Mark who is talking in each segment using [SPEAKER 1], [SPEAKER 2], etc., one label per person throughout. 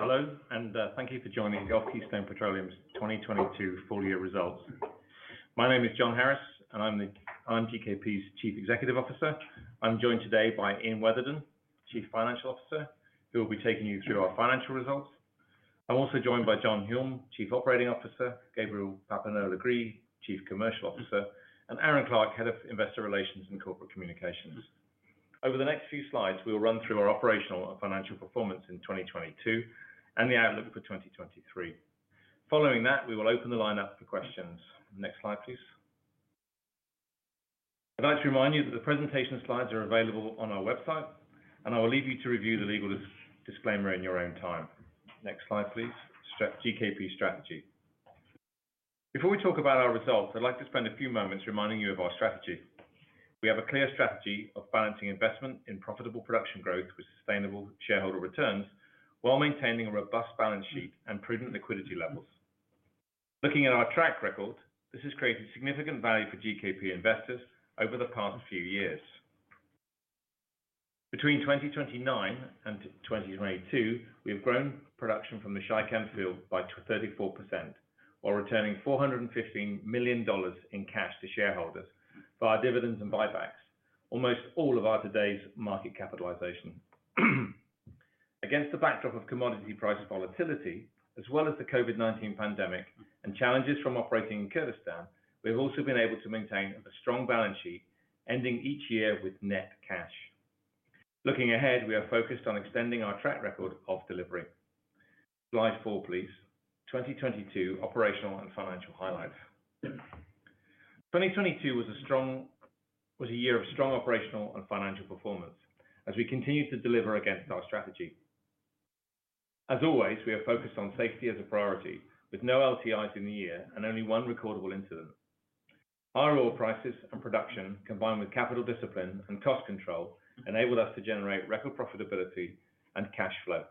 [SPEAKER 1] Hello, thank you for joining Gulf Keystone Petroleum's 2022 Full Year Results. My name is Jon Harris, I'm GKP's Chief Executive Officer. I'm joined today by Ian Weatherdon, Chief Financial Officer, who will be taking you through our financial results. I'm also joined by John Hulme, Chief Operating Officer, Gabriel Papineau-Legris, Chief Commercial Officer, and Aaron Clark, Head of Investor Relations and Corporate Communications. Over the next few slides, we will run through our operational and financial performance in 2022 and the outlook for 2023. Following that, we will open the line up for questions. Next slide, please. I'd like to remind you that the presentation slides are available on our website, I will leave you to review the legal disclaimer in your own time. Next slide, please. GKP strategy. Before we talk about our results, I'd like to spend a few moments reminding you of our strategy. We have a clear strategy of balancing investment in profitable production growth with sustainable shareholder returns while maintaining a robust balance sheet and prudent liquidity levels. Looking at our track record, this has created significant value for GKP investors over the past few years. Between 2029 and 2022, we have grown production from the Shaikan Field by 34% while returning $415 million in cash to shareholders via dividends and buybacks, almost all of our today's market capitalization. Against the backdrop of commodity price volatility, as well as the COVID-19 pandemic and challenges from operating in Kurdistan, we've also been able to maintain a strong balance sheet ending each year with net cash. Looking ahead, we are focused on extending our track record of delivery. Slide four, please. 2022 operational and financial highlights. 2022 was a year of strong operational and financial performance as we continued to deliver against our strategy. As always, we are focused on safety as a priority with no LTIs in the year and only one recordable incident. Our oil prices and production, combined with capital discipline and cost control, enabled us to generate record profitability and cash flow.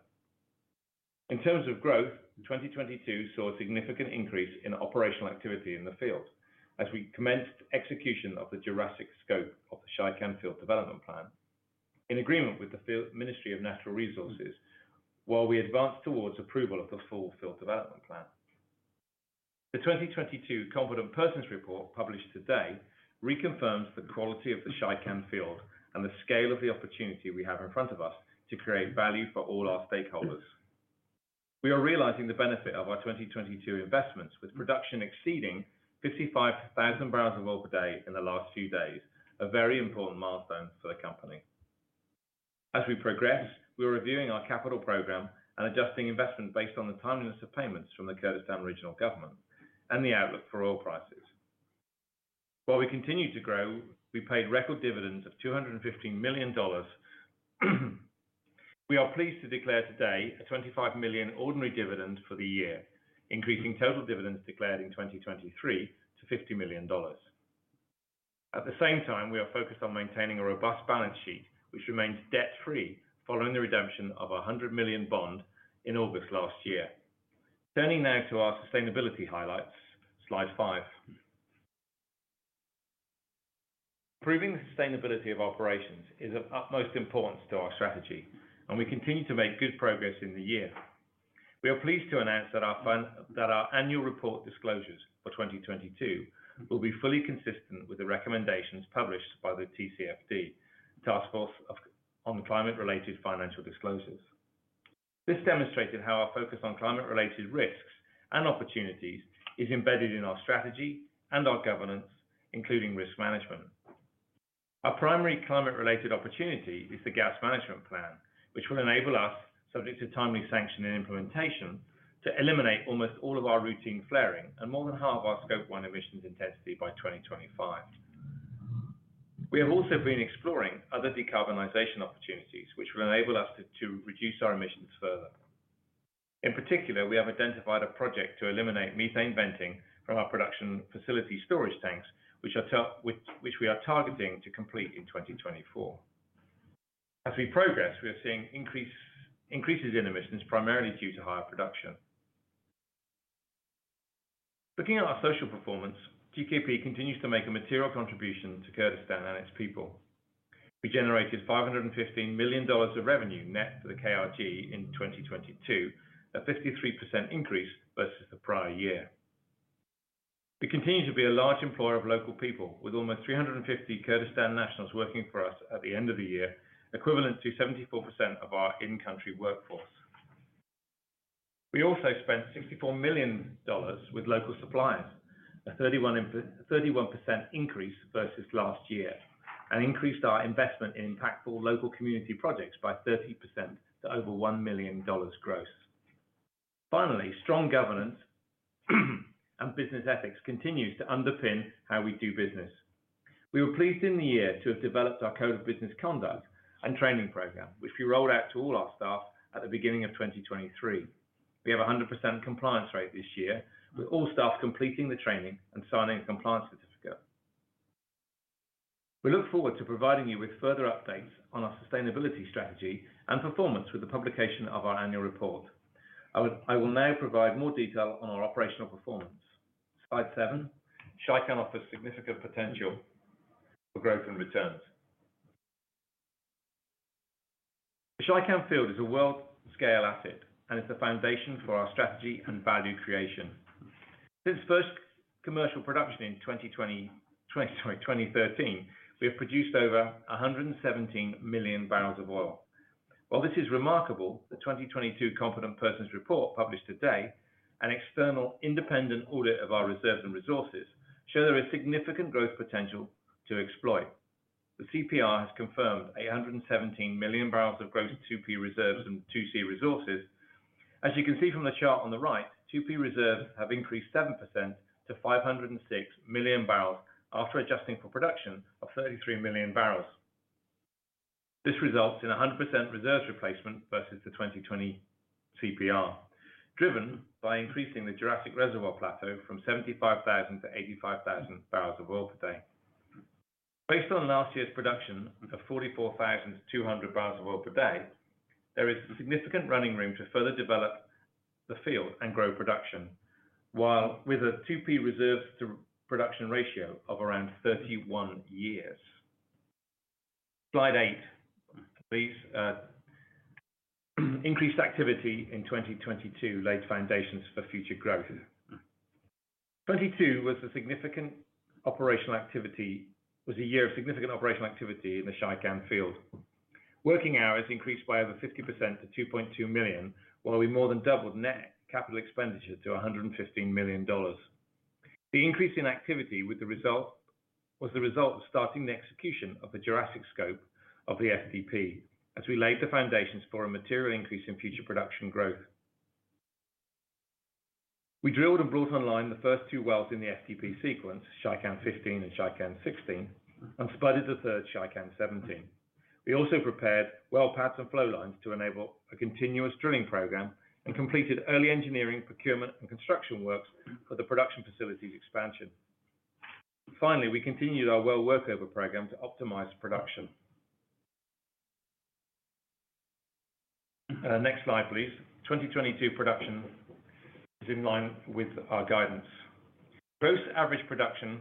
[SPEAKER 1] In terms of growth, 2022 saw a significant increase in operational activity in the field as we commenced execution of the Jurassic scope of the Shaikan Field development plan in agreement with the Ministry of Natural Resources while we advanced towards approval of the full field development plan. The 2022 Competent Person's Report published today reconfirms the quality of the Shaikan Field and the scale of the opportunity we have in front of us to create value for all our stakeholders. We are realizing the benefit of our 2022 investments, with production exceeding 55,000 barrels of oil per day in the last few days, a very important milestone for the company. As we progress, we are reviewing our capital program and adjusting investment based on the timeliness of payments from the Kurdistan Regional Government and the outlook for oil prices. While we continued to grow, we paid record dividends of $215 million. We are pleased to declare today a $25 million ordinary dividend for the year, increasing total dividends declared in 2023 to $50 million. At the same time, we are focused on maintaining a robust balance sheet, which remains debt-free following the redemption of a $100 million bond in August last year. Turning now to our sustainability highlights. Slide five. Improving the sustainability of operations is of utmost importance to our strategy, and we continue to make good progress in the year. We are pleased to announce that our annual report disclosures for 2022 will be fully consistent with the recommendations published by the TCFD, Task Force on Climate-related Financial Disclosures. This demonstrated how our focus on climate-related risks and opportunities is embedded in our strategy and our governance, including risk management. Our primary climate-related opportunity is the Gas Management Plan, which will enable us, subject to timely sanction and implementation, to eliminate almost all of our routine flaring and more than half of our Scope 1 emissions intensity by 2025. We have also been exploring other decarbonization opportunities which will enable us to reduce our emissions further. In particular, we have identified a project to eliminate methane venting from our production facility storage tanks which we are targeting to complete in 2024. As we progress, we are seeing increases in emissions primarily due to higher production. Looking at our social performance, GKP continues to make a material contribution to Kurdistan and its people. We generated $515 million of revenue net to the KRG in 2022, a 53% increase versus the prior year. We continue to be a large employer of local people, with almost 350 Kurdistan nationals working for us at the end of the year, equivalent to 74% of our in-country workforce. We also spent $64 million with local suppliers, a 31% increase versus last year, and increased our investment in impactful local community projects by 30% to over $1 million gross. Finally, strong governance and business ethics continues to underpin how we do business. We were pleased in the year to have developed our code of business conduct and training program, which we rolled out to all our staff at the beginning of 2023. We have a 100% compliance rate this year, with all staff completing the training and signing a compliance certificate. We look forward to providing you with further updates on our sustainability strategy and performance with the publication of our annual report. I will now provide more detail on our operational performance. Slide seven. Shaikan offers significant potential for growth and returns. The Shaikan Field is a world scale asset, and it's the foundation for our strategy and value creation. Since first commercial production in 2013, we have produced over 117 million barrels of oil. While this is remarkable, the 2022 Competent Person's Report published today, an external independent audit of our reserves and resources, show there is significant growth potential to exploit. The CPR has confirmed 817 million barrels of gross 2P reserves and 2C resources. As you can see from the chart on the right, 2P reserves have increased 7% to 506 million barrels after adjusting for production of 33 million barrels. This results in a 100% reserves replacement versus the 2020 CPR, driven by increasing the Jurassic reservoir plateau from 75,000 to 85,000 barrels of oil per day. Based on last year's production of 44,200 barrels of oil per day, there is significant running room to further develop the field and grow production, while with a 2P reserve to production ratio of around 31 years. Slide eight, please. Increased activity in 2022 laid foundations for future growth. 2022 was a year of significant operational activity in the Shaikan Field. Working hours increased by over 50% to 2.2 million, while we more than doubled net capital expenditure to $115 million. The increase in activity was the result of starting the execution of the Jurassic scope of the FDP as we laid the foundations for a material increase in future production growth. We drilled and brought online the first two wells in the FTP sequence, Shaikan 15 and Shaikan 16, and spudded the third, Shaikan 17. We also prepared well paths and flow lines to enable a continuous drilling program and completed early engineering procurement and construction works for the production facilities expansion. Finally, we continued our well workover program to optimize production. Next slide, please. 2022 production is in line with our guidance. Gross average production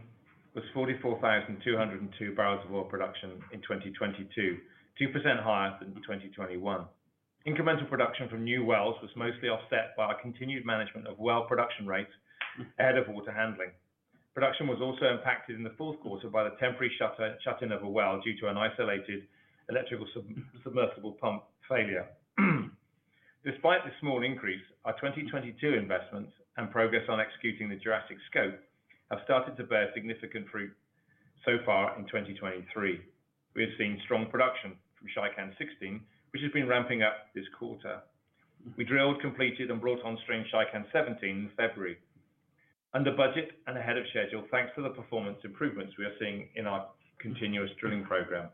[SPEAKER 1] was 44,202 barrels of oil production in 2022, 2% higher than 2021. Incremental production from new wells was mostly offset by our continued management of well production rates ahead of water handling. Production was also impacted in the fourth quarter by the temporary shutting of a well due to an isolated electrical submersible pump failure. Despite this small increase, our 2022 investments and progress on executing the Jurassic scope have started to bear significant fruit so far in 2023. We have seen strong production from Shaikan 16, which has been ramping up this quarter. We drilled, completed and brought onstream Shaikan 17 in February under budget and ahead of schedule, thanks to the performance improvements we are seeing in our continuous drilling program.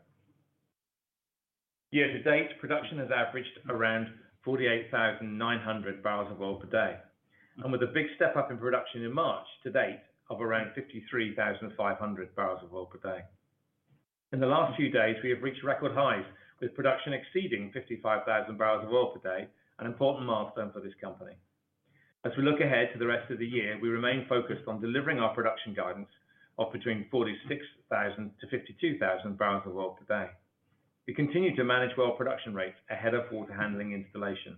[SPEAKER 1] Year to date, production has averaged around 48,900 barrels of oil per day. With a big step-up in production in March to date of around 53,500 barrels of oil per day. In the last few days, we have reached record highs with production exceeding 55,000 barrels of oil per day, an important milestone for this company. As we look ahead to the rest of the year, we remain focused on delivering our production guidance of between 46,000-52,000 barrels of oil per day. We continue to manage well production rates ahead of water handling installation.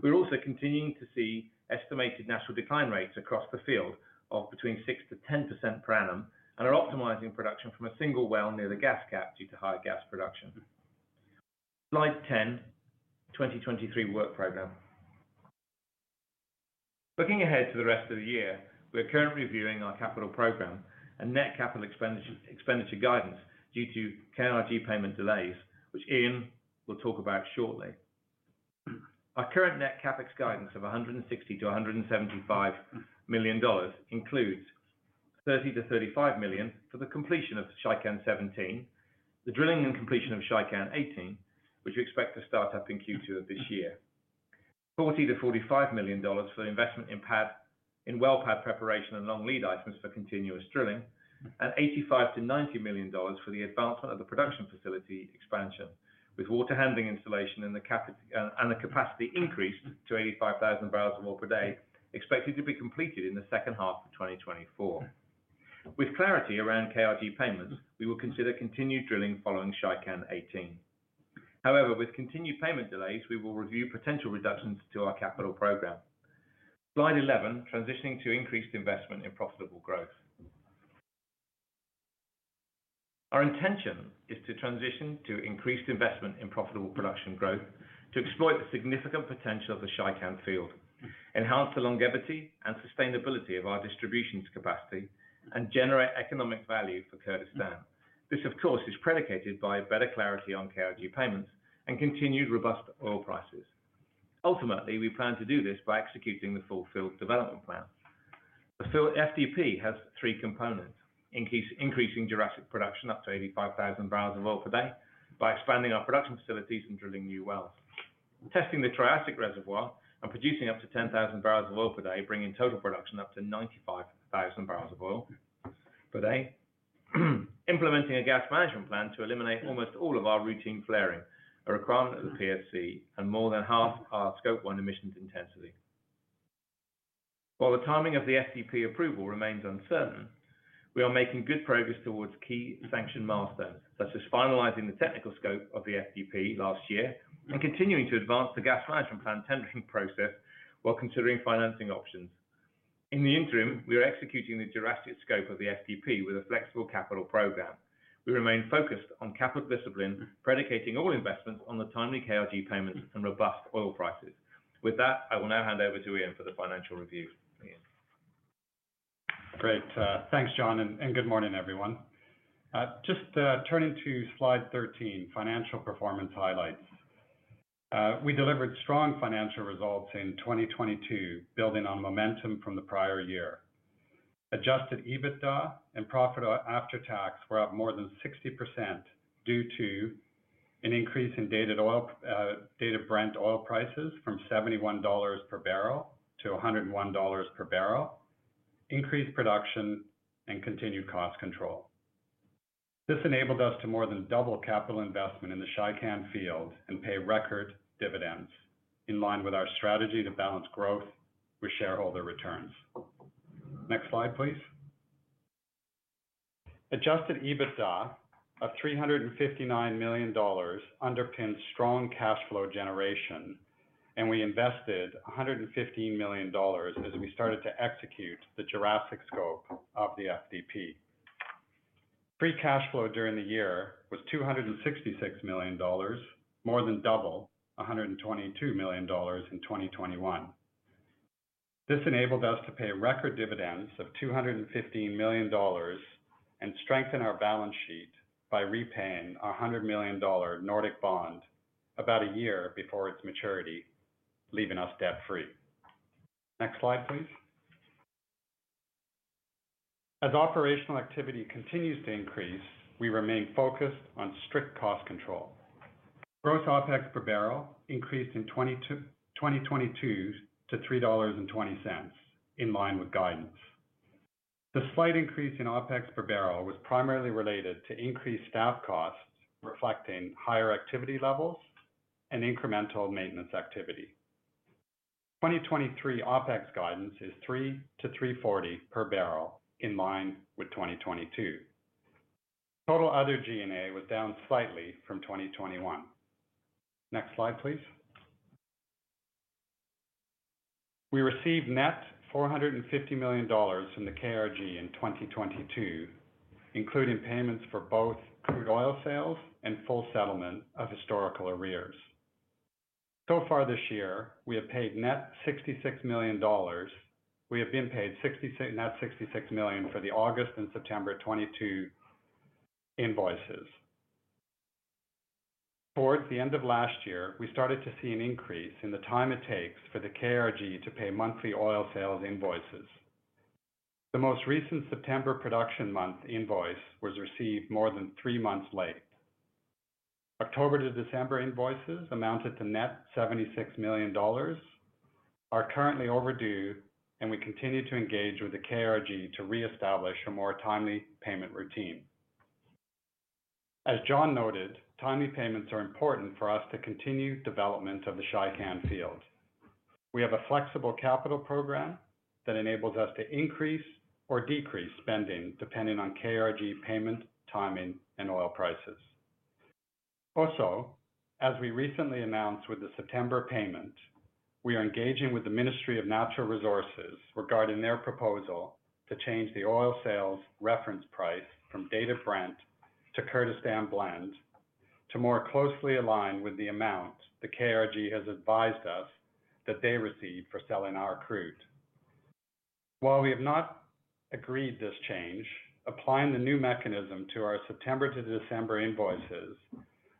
[SPEAKER 1] We're also continuing to see estimated natural decline rates across the field of between 6%-10% per annum, and are optimizing production from a single well near the gas cap due to high gas production. Slide 10, 2023 work program. Looking ahead to the rest of the year, we are currently reviewing our capital program and net capital expenditure guidance due to KRG payment delays, which Ian will talk about shortly. Our current net CapEx guidance of $160 million-$175 million includes $30 million-$35 million for the completion of Shaikan 17, the drilling and completion of Shaikan 18, which we expect to start up in Q2 of this year. $40 million-$45 million for the investment in well pad preparation and long lead items for continuous drilling, and $85 million-$90 million for the advancement of the production facility expansion, with water handling installation and a capacity increase to 85,000 barrels of oil per day expected to be completed in the second half of 2024. With clarity around KRG payments, we will consider continued drilling following Shaikan 18. With continued payment delays, we will review potential reductions to our capital program. Slide 11, transitioning to increased investment in profitable growth. Our intention is to transition to increased investment in profitable production growth to exploit the significant potential of the Shaikan Field, enhance the longevity and sustainability of our distributions capacity, and generate economic value for Kurdistan. This, of course, is predicated by better clarity on KRG payments and continued robust oil prices. Ultimately, we plan to do this by executing the full field development plan. The FDP has three components: increasing Jurassic production up to 85,000 barrels of oil per day by expanding our production facilities and drilling new wells. Testing the Triassic reservoir and producing up to 10,000 barrels of oil per day, bringing total production up to 95,000 barrels of oil per day. Implementing a Gas Management Plan to eliminate almost all of our routine flaring, a requirement of the PSC and more than half our Scope 1 emissions intensity. While the timing of the SDP approval remains uncertain, we are making good progress towards key sanction milestones, such as finalizing the technical scope of the SDP last year and continuing to advance the Gas Management Plan tendering process while considering financing options. In the interim, we are executing the Jurassic scope of the SDP with a flexible capital program. We remain focused on capital discipline, predicating all investments on the timely KRG payments and robust oil prices. With that, I will now hand over to Ian for the financial review. Ian.
[SPEAKER 2] Great. Thanks, John, and good morning, everyone. Just turning to slide 13, financial performance highlights. We delivered strong financial results in 2022, building on momentum from the prior year. Adjusted EBITDA and profit after tax were up more than 60% due to an increase in Dated Brent oil prices from $71 per barrel to $101 per barrel, increased production and continued cost control. This enabled us to more than double capital investment in the Shaikan Field and pay record dividends in line with our strategy to balance growth with shareholder returns. Next slide, please. Adjusted EBITDA of $359 million underpins strong cash flow generation. We invested $150 million as we started to execute the Jurassic scope of the SDP. Free cash flow during the year was $266 million, more than double $122 million in 2021. This enabled us to pay record dividends of $250 million and strengthen our balance sheet by repaying our $100 million Nordic bond about a year before its maturity, leaving us debt-free. Next slide, please. As operational activity continues to increase, we remain focused on strict cost control. Gross OpEx per barrel increased in 2022 to $3.20 in line with guidance. The slight increase in OpEx per barrel was primarily related to increased staff costs reflecting higher activity levels and incremental maintenance activity. 2023 OpEx guidance is $3-$3.40 per barrel in line with 2022. Total other G&A was down slightly from 2021. Next slide, please. We received net $450 million from the KRG in 2022, including payments for both crude oil sales and full settlement of historical arrears. Far this year, we have paid net $66 million. We have been paid net $66 million for the August and September 2022 invoices. Towards the end of last year, we started to see an increase in the time it takes for the KRG to pay monthly oil sales invoices. The most recent September production month invoice was received more than 3 months late. October to December invoices amounted to net $76 million, are currently overdue, and we continue to engage with the KRG to reestablish a more timely payment routine. As Jon noted, timely payments are important for us to continue development of the Shaikan Field. We have a flexible capital program that enables us to increase or decrease spending depending on KRG payment, timing, and oil prices. As we recently announced with the September payment, we are engaging with the Ministry of Natural Resources regarding their proposal to change the oil sales reference price from Dated Brent to Kurdistan Blend to more closely align with the amount the KRG has advised us that they receive for selling our crude. While we have not agreed this change, applying the new mechanism to our September to December invoices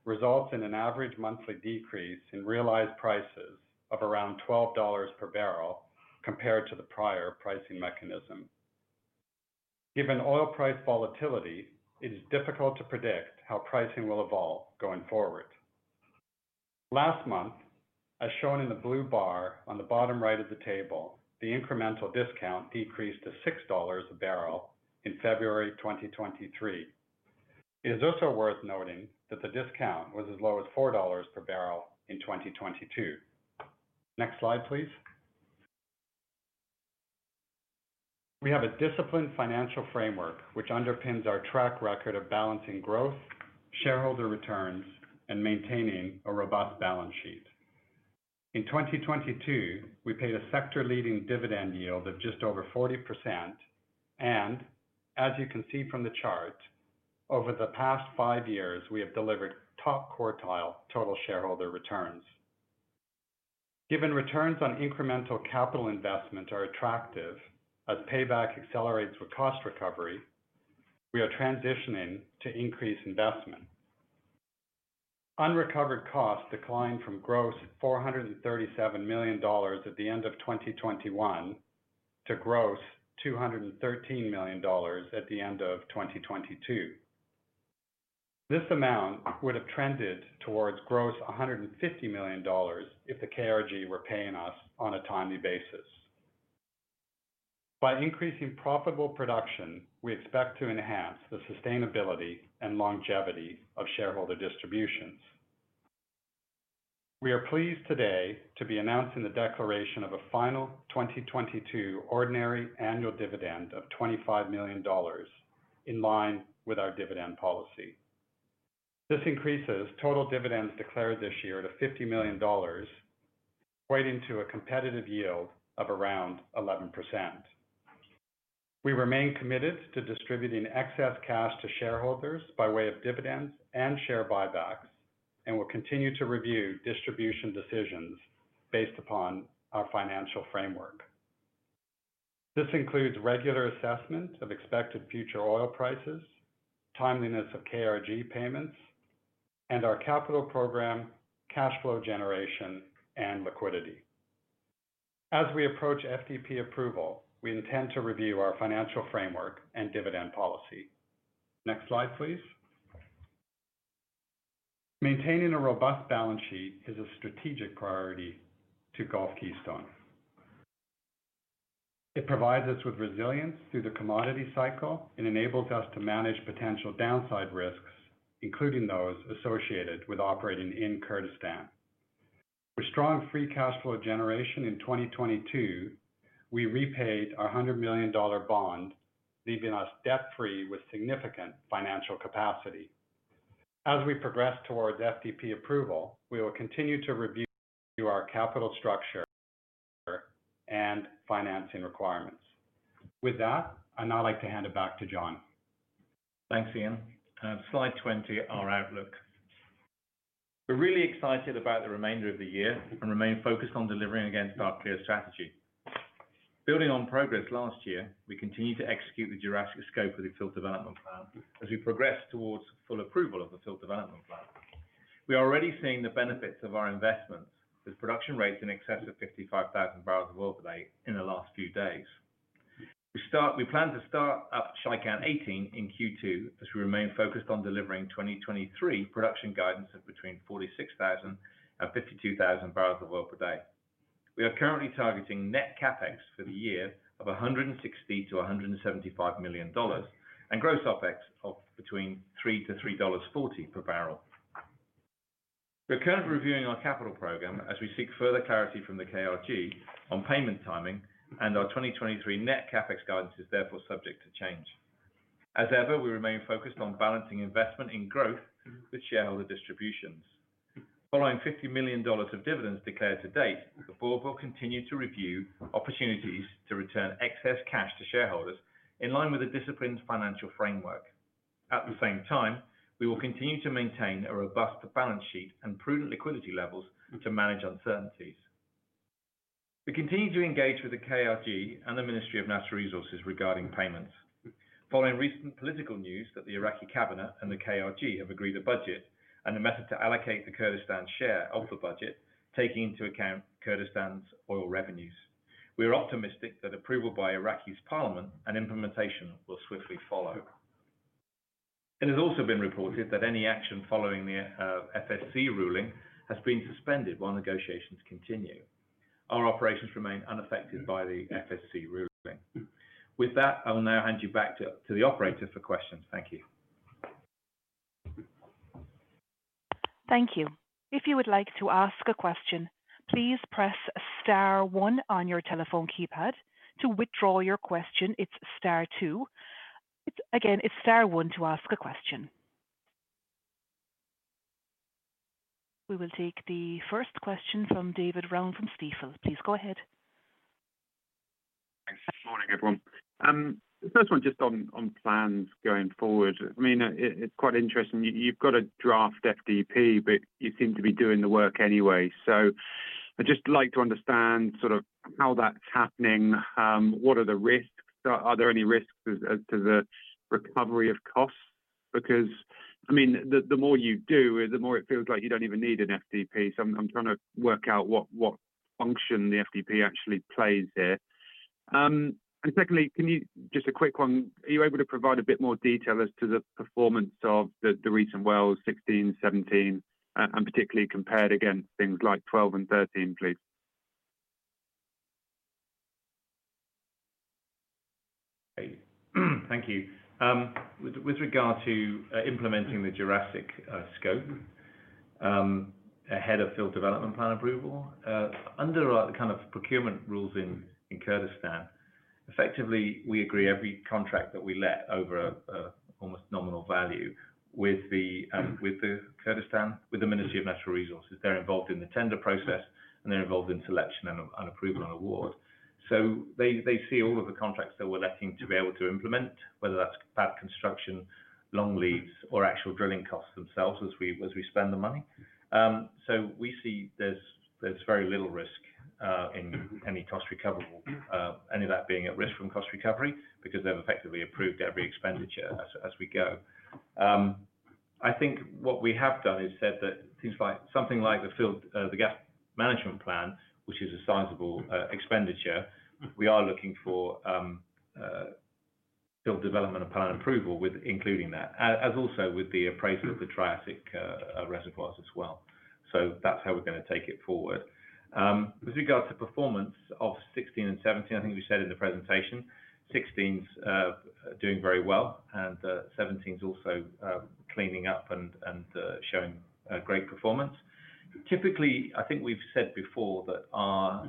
[SPEAKER 2] results in an average monthly decrease in realized prices of around $12 per barrel compared to the prior pricing mechanism. Given oil price volatility, it is difficult to predict how pricing will evolve going forward. Last month, as shown in the blue bar on the bottom right of the table, the incremental discount decreased to $6 a barrel in February 2023. It is also worth noting that the discount was as low as $4 per barrel in 2022. Next slide, please. We have a disciplined financial framework, which underpins our track record of balancing growth, shareholder returns, and maintaining a robust balance sheet. In 2022, we paid a sector-leading dividend yield of just over 40%. As you can see from the chart, over the past 5 years, we have delivered top quartile total shareholder returns. Given returns on incremental capital investment are attractive as payback accelerates with cost recovery, we are transitioning to increased investment. Unrecovered costs declined from gross $437 million at the end of 2021 to gross $213 million at the end of 2022. This amount would have trended towards gross $150 million if the KRG were paying us on a timely basis. By increasing profitable production, we expect to enhance the sustainability and longevity of shareholder distributions. We are pleased today to be announcing the declaration of a final 2022 ordinary annual dividend of $25 million in line with our dividend policy. This increases total dividends declared this year to $50 million, equating to a competitive yield of around 11%. We remain committed to distributing excess cash to shareholders by way of dividends and share buybacks, and we'll continue to review distribution decisions based upon our financial framework. This includes regular assessment of expected future oil prices, timeliness of KRG payments, and our capital program, cash flow generation, and liquidity. As we approach FDP approval, we intend to review our financial framework and dividend policy. Next slide, please. Maintaining a robust balance sheet is a strategic priority to Gulf Keystone. It provides us with resilience through the commodity cycle and enables us to manage potential downside risks, including those associated with operating in Kurdistan. With strong free cash flow generation in 2022, we repaid our $100 million bond, leaving us debt-free with significant financial capacity. With that, I'd now like to hand it back to John.
[SPEAKER 1] Thanks, Ian. slide 20, our outlook. We're really excited about the remainder of the year and remain focused on delivering against our clear strategy. Building on progress last year, we continue to execute the Jurassic scope of the Field Development Plan as we progress towards full approval of the Field Development Plan. We are already seeing the benefits of our investments, with production rates in excess of 55,000 barrels of oil per day in the last few days. We plan to start up Shaikan 18 in Q2 as we remain focused on delivering 2023 production guidance of between 46,000 and 52,000 barrels of oil per day. We are currently targeting net CapEx for the year of $160 million-$175 million and gross OpEx of between $3.00-$3.40 per barrel. We're currently reviewing our capital program as we seek further clarity from the KRG on payment timing. Our 2023 net CapEx guidance is therefore subject to change. As ever, we remain focused on balancing investment in growth with shareholder distributions. Following $50 million of dividends declared to date, the board will continue to review opportunities to return excess cash to shareholders in line with the disciplined financial framework. At the same time, we will continue to maintain a robust balance sheet and prudent liquidity levels to manage uncertainties. We continue to engage with the KRG and the Ministry of Natural Resources regarding payments. Following recent political news that the Iraqi cabinet and the KRG have agreed a budget and a method to allocate the Kurdistan share of the budget, taking into account Kurdistan's oil revenues. We are optimistic that approval by Iraq's parliament and implementation will swiftly follow. It has also been reported that any action following the FSC ruling has been suspended while negotiations continue. Our operations remain unaffected by the FSC ruling. With that, I will now hand you back to the operator for questions. Thank you.
[SPEAKER 3] Thank you. If you would like to ask a question, please press star one on your telephone keypad. To withdraw your question, it's star two. Again, it's star one to ask a question. We will take the first question from David Round from Stifel. Please go ahead.
[SPEAKER 4] Thanks. Morning, everyone. The first one just on plans going forward. I mean, it's quite interesting you've got a draft FDP, but you seem to be doing the work anyway. I'd just like to understand sort of how that's happening. What are the risks? Are there any risks as to the recovery of costs? Because, I mean, the more you do, the more it feels like you don't even need an FDP. I'm trying to work out what function the FDP actually plays here. Secondly, just a quick one. Are you able to provide a bit more detail as to the performance of the recent wells SH-16, SH-17, and particularly compared against things like 12 and 13, please?
[SPEAKER 1] Thank you. With regard to implementing the Jurassic scope ahead of field development plan approval under our kind of procurement rules in Kurdistan, effectively, we agree every contract that we let over a almost nominal value with the Kurdistan, with the Ministry of Natural Resources. They're involved in the tender process, they're involved in selection and approval and award. They see all of the contracts that we're letting to be able to implement, whether that's fab construction, long leads, or actual drilling costs themselves as we spend the money. We see there's very little risk in any cost recoverable, any of that being at risk from cost recovery because they've effectively approved every expenditure as we go. I think what we have done is said that something like the field, the Gas Management Plan, which is a sizable expenditure, we are looking for field development and plan approval with including that, as also with the appraisal of the Triassic reservoirs as well. That's how we're gonna take it forward. With regard to performance of 16 and 17, I think as we said in the presentation, 16's doing very well, and 17's also cleaning up and showing a great performance. Typically, I think we've said before that our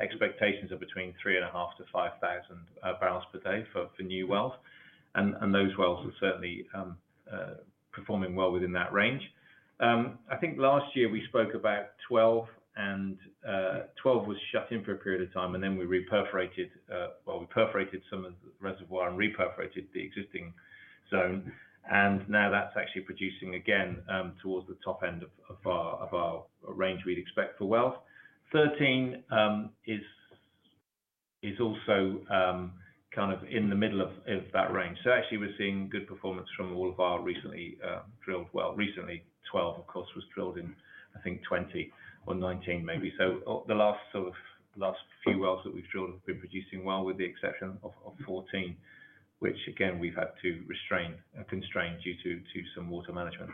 [SPEAKER 1] expectations are between 3,500-5,000 barrels per day for new wells. Those wells are certainly performing well within that range. I think last year we spoke about 12 and 12 was shut in for a period of time, then we re-perforated, well, we perforated some of the reservoir and re-perforated the existing zone. Now that's actually producing again, towards the top end of our range we'd expect for wells. 13 is also kind of in the middle of that range. Actually we're seeing good performance from all of our recently drilled wells. Recently 12, of course, was drilled in, I think 2020 or 2019 maybe. The last sort of, last few wells that we've drilled have been producing well with the exception of 14. Which again, we've had to restrain, constrain due to some water management.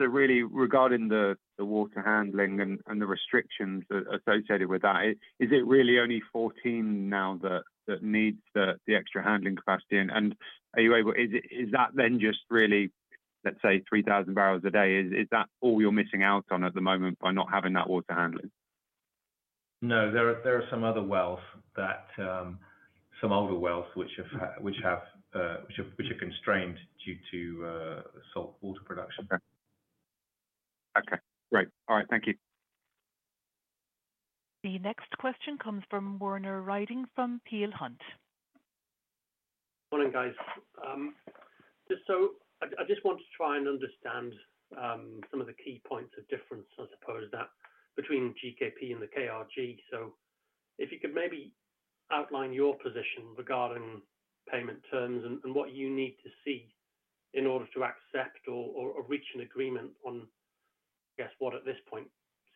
[SPEAKER 4] Really regarding the water handling and the restrictions associated with that, is it really only 14 now that needs the extra handling capacity? Is that then just really, let's say 3,000 barrels a day, is that all you're missing out on at the moment by not having that water handling?
[SPEAKER 1] No, there are some other wells that, some older wells which have, which are constrained due to salt water production.
[SPEAKER 4] Okay. Great. All right. Thank you.
[SPEAKER 3] The next question comes from Werner Riding from Peel Hunt.
[SPEAKER 5] Morning, guys. I just want to try and understand some of the key points of difference, I suppose, between GKP and the KRG. If you could maybe outline your position regarding payment terms and what you need to see in order to accept or reach an agreement on, I guess what at this point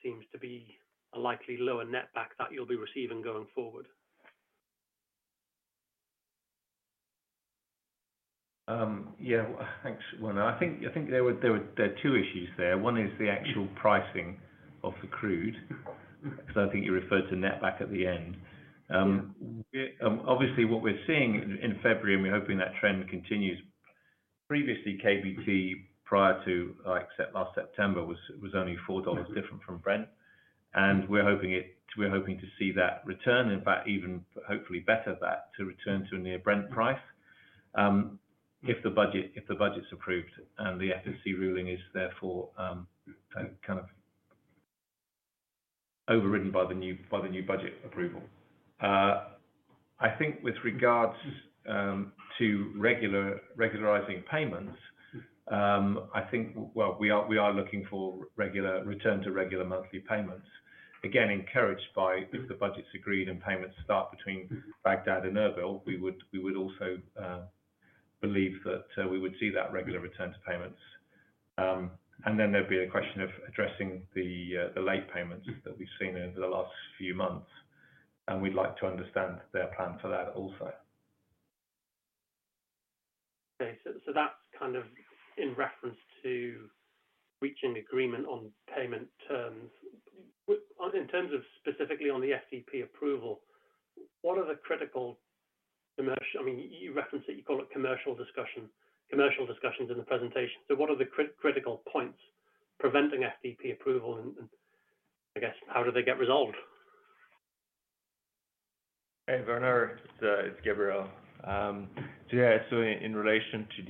[SPEAKER 5] seems to be a likely lower netback that you'll be receiving going forward?
[SPEAKER 1] Yeah. Thanks, Werner. I think there are two issues there. One is the actual pricing of the crude, 'cause I think you referred to netback at the end. Obviously what we're seeing in February, we're hoping that trend continues. Previously, KBT prior to, except last September, was only $4 different from Brent. We're hoping to see that return, in fact even hopefully better that, to return to a near Brent price, if the budget, if the budget's approved and the FSC ruling is therefore, kind of overridden by the new budget approval. I think with regards to regularizing payments, I think, well, we are looking for regular return to regular monthly payments. Encouraged by if the budget's agreed and payments start between Baghdad and Erbil, we would also believe that we would see that regular return to payments. There'd be a question of addressing the late payments that we've seen over the last few months, and we'd like to understand their plan for that also.
[SPEAKER 5] Okay. That's kind of in reference to reaching agreement on payment terms. In terms of specifically on the FDP approval, what are the critical commercial. I mean, you reference it, you call it commercial discussions in the presentation. What are the critical points preventing FDP approval and I guess how do they get resolved?
[SPEAKER 6] Hey, Werner, it's Gabriel. Yeah. In relation to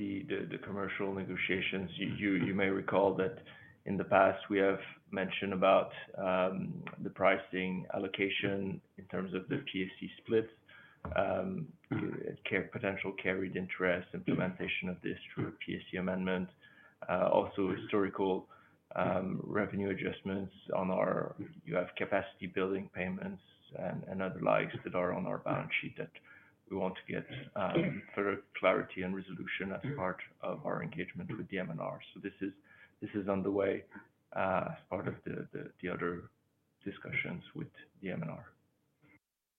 [SPEAKER 6] the commercial negotiations, you may recall that in the past we have mentioned about the pricing allocation in terms of the PSC split, potential carried interest, implementation of this through a PSC amendment. Also historical revenue adjustments on our, you have capacity building payments and other the likes that are on our balance sheet that we want to get further clarity and resolution as part of our engagement with the MNR. This is on the way as part of the other discussions with the MNR.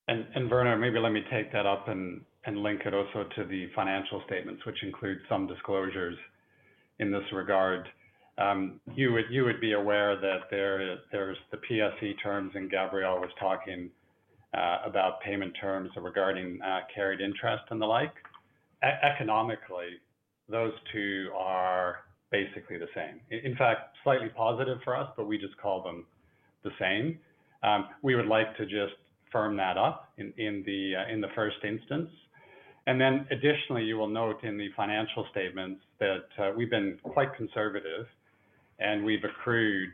[SPEAKER 2] Werner, maybe let me take that up and link it also to the financial statements, which include some disclosures in this regard. You would be aware that there's the PSE terms, and Gabriel was talking about payment terms regarding carried interest and the like. Economically, those two are basically the same. In fact, slightly positive for us, but we just call them the same. We would like to just firm that up in the first instance. Additionally, you will note in the financial statements that we've been quite conservative and we've accrued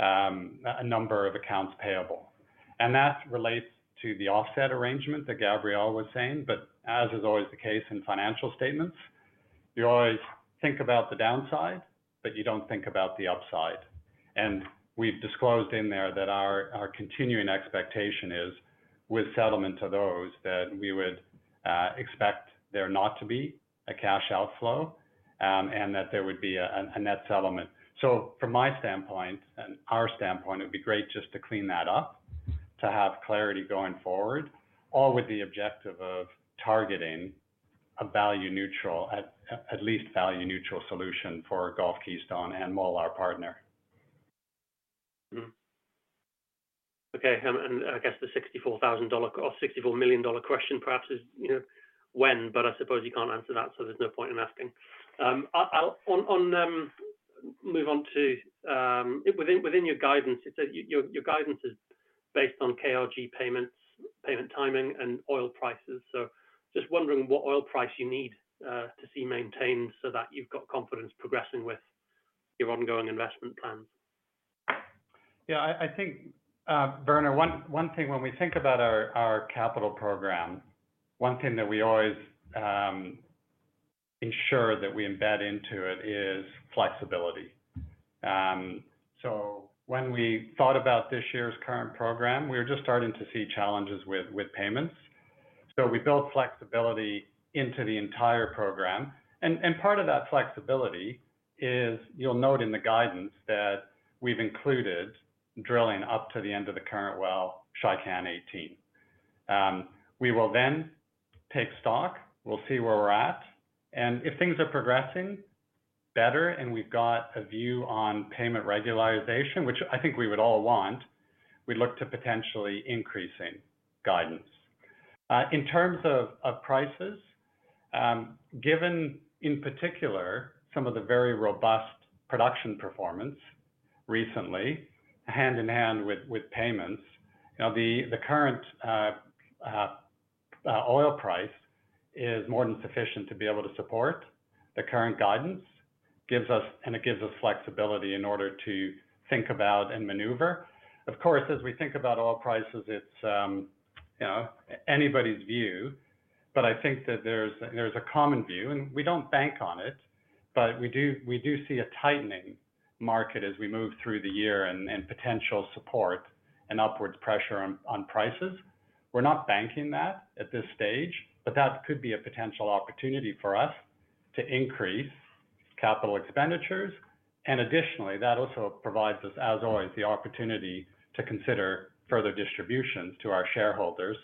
[SPEAKER 2] a number of accounts payable. That relates to the offset arrangement that Gabriel was saying. As is always the case in financial statements, you always think about the downside, but you don't think about the upside. We've disclosed in there that our continuing expectation is with settlement to those, that we would expect there not to be a cash outflow, and that there would be a net settlement. From my standpoint and our standpoint, it'd be great just to clean that up, to have clarity going forward, all with the objective of targeting a value neutral, at least value neutral solution for Gulf Keystone and MOL partner.
[SPEAKER 5] Okay. I guess the $64,000 or $64 million question perhaps is, you know, when, I suppose you can't answer that, there's no point in asking. I'll move on to within your guidance, it said your guidance is based on KRG payments, payment timing and oil prices. Just wondering what oil price you need to see maintained so that you've got confidence progressing with your ongoing investment plans.
[SPEAKER 2] Yeah, I think Werner, one thing when we think about our capital program, one thing that we always ensure that we embed into it is flexibility. When we thought about this year's current program, we were just starting to see challenges with payments. We built flexibility into the entire program. Part of that flexibility is you'll note in the guidance that we've included drilling up to the end of the current well, Shaikan 18. We will then take stock, we'll see where we're at. If things are progressing better and we've got a view on payment regularization, which I think we would all want, we'd look to potentially increasing guidance. In terms of prices, given in particular some of the very robust production performance recently, hand in hand with payments, you know, the current oil price is more than sufficient to be able to support. The current guidance gives us and it gives us flexibility in order to think about and maneuver. Of course, as we think about oil prices, it's, you know, anybody's view, but I think that there's a common view, and we don't bank on it, but we do see a tightening market as we move through the year and potential support and upwards pressure on prices. We're not banking that at this stage, but that could be a potential opportunity for us to increase capital expenditures. Additionally, that also provides us, as always, the opportunity to consider further distributions to our shareholders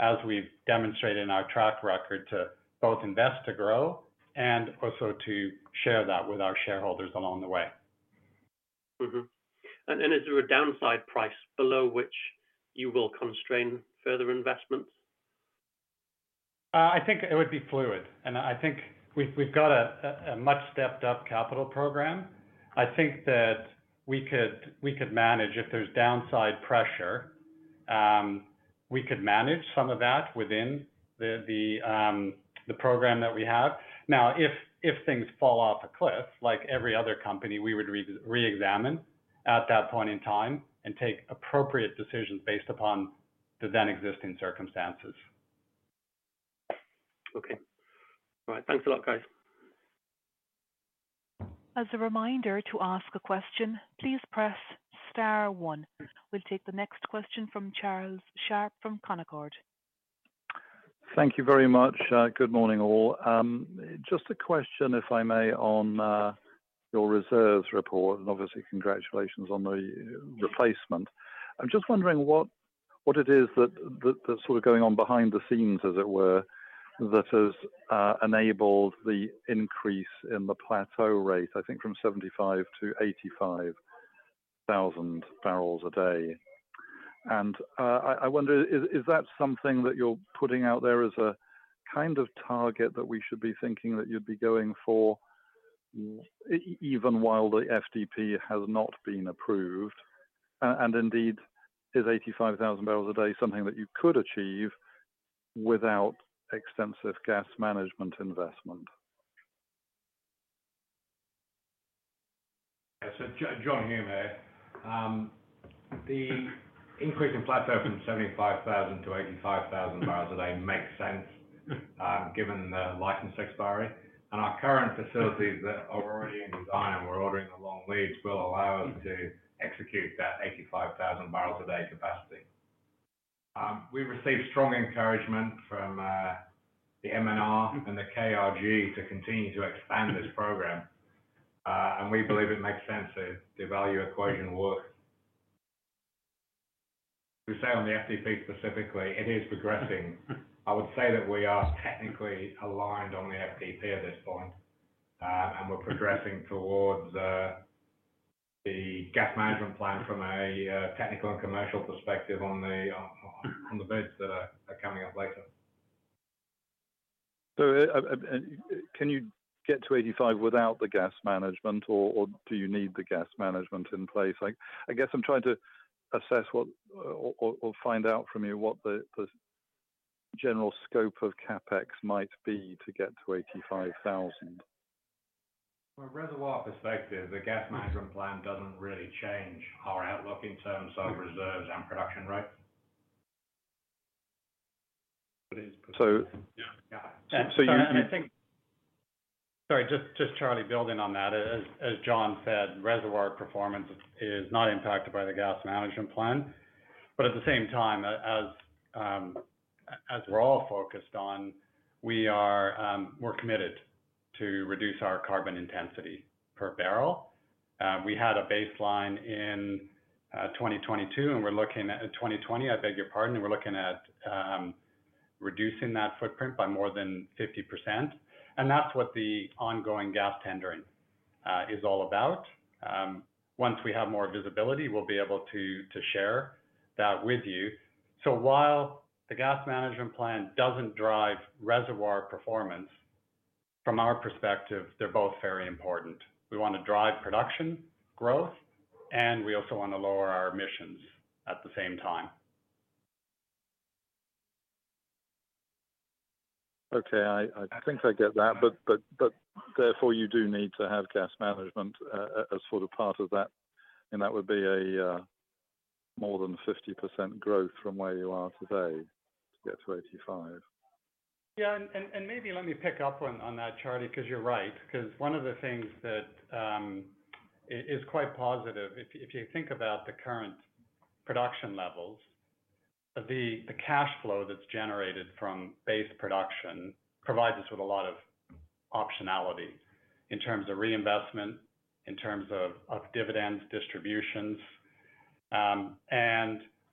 [SPEAKER 2] as we've demonstrated in our track record to both invest to grow and also to share that with our shareholders along the way.
[SPEAKER 5] Is there a downside price below which you will constrain further investments?
[SPEAKER 2] I think it would be fluid, and I think we've got a much stepped up capital program. I think that we could manage if there's downside pressure, we could manage some of that within the program that we have. Now, if things fall off a cliff, like every other company, we would reexamine at that point in time and take appropriate decisions based upon the then existing circumstances.
[SPEAKER 5] Okay. All right. Thanks a lot, guys.
[SPEAKER 3] As a reminder to ask a question, please press star 1one. We'll take the next question from Charlie Sharp from Canaccord.
[SPEAKER 7] Thank you very much. Good morning, all. Just a question, if I may, on your reserves report, and obviously congratulations on the replacement. I'm just wondering what it is that's sort of going on behind the scenes, as it were, that has enabled the increase in the plateau rate, I think from 75 to 85,000 barrels a day. I wonder, is that something that you're putting out there as a kind of target that we should be thinking that you'd be going for even while the FDP has not been approved? Indeed, is 85,000 barrels a day something that you could achieve without extensive gas management investment?
[SPEAKER 8] Yeah. John Hulme here. The increase in plateau from 75,000 to 85,000 barrels a day makes sense, given the license expiry. Our current facilities that are already in design and we're ordering the long leads will allow us to execute that 85,000 barrels a day capacity. We received strong encouragement from the MNR and the KRG to continue to expand this program. We believe it makes sense that the value equation works. To say on the FDP specifically, it is progressing. I would say that we are technically aligned on the FDP at this point, and we're progressing towards the Gas Management Plan from a technical and commercial perspective on the bids that are coming up later.
[SPEAKER 7] Can you get to 85 without the Gas Management or do you need the Gas Management in place? Like, I guess I'm trying to assess what or find out from you what the general scope of CapEx might be to get to 85,000.
[SPEAKER 8] From a reservoir perspective, the Gas Management Plan doesn't really change our outlook in terms of reserves and production rates.
[SPEAKER 7] So-
[SPEAKER 8] Yeah.
[SPEAKER 7] So you-
[SPEAKER 8] Sorry, just Charlie building on that. As John said, reservoir performance is not impacted by the Gas Management Plan. At the same time, as we're all focused on, we are committed to reduce our carbon intensity per barrel. We had a baseline in 2022, and we're looking at 2020, I beg your pardon. We're looking at reducing that footprint by more than 50%, and that's what the ongoing gas tendering is all about. Once we have more visibility, we'll be able to share that with you. While the Gas Management Plan doesn't drive reservoir performance, from our perspective, they're both very important. We want to drive production growth, and we also want to lower our emissions at the same time.
[SPEAKER 7] Okay. I think I get that, therefore you do need to have gas management as sort of part of that, and that would be a more than 50% growth from where you are today to get to 85.
[SPEAKER 2] Maybe let me pick up on that, Charlie, because you're right, because one of the things that is quite positive, if you think about the current production levels, the cash flow that's generated from base production provides us with a lot of optionality in terms of reinvestment, in terms of dividends, distributions.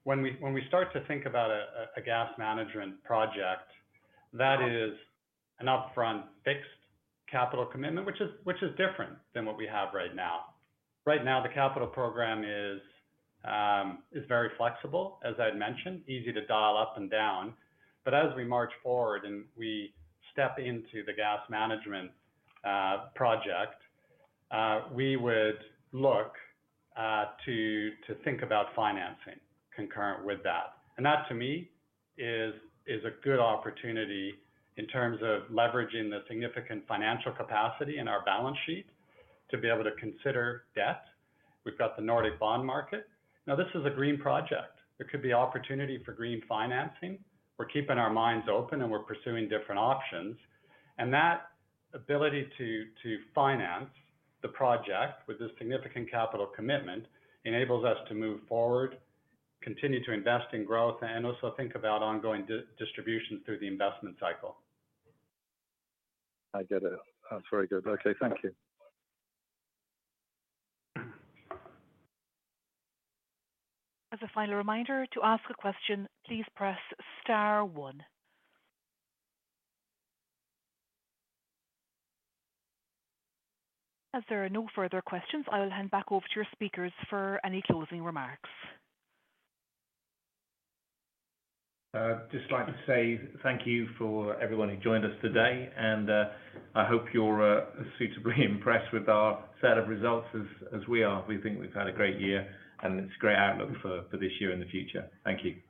[SPEAKER 2] When we start to think about a Gas Management project, that is an upfront fixed capital commitment, which is different than what we have right now. Right now, the capital program is very flexible, as I'd mentioned, easy to dial up and down. As we march forward and we step into the Gas Management project, we would look to think about financing concurrent with that. That to me is a good opportunity in terms of leveraging the significant financial capacity in our balance sheet to be able to consider debt. We've got the Nordic bond market. This is a green project. There could be opportunity for green financing. We're keeping our minds open, and we're pursuing different options. That ability to finance the project with a significant capital commitment enables us to move forward, continue to invest in growth, and also think about ongoing distribution through the investment cycle.
[SPEAKER 7] I get it. That's very good. Okay, thank you.
[SPEAKER 3] A final reminder, to ask a question, please press star one. There are no further questions, I will hand back over to your speakers for any closing remarks.
[SPEAKER 1] I'd just like to say thank you for everyone who joined us today, and I hope you're suitably impressed with our set of results as we are. We think we've had a great year, and it's a great outlook for this year in the future. Thank you.